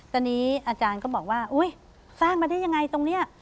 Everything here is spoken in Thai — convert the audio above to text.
ตอนนี้อาจารย์ก็บอกว่าอุ๊ยสร้างมาได้ยังไงตรงนี้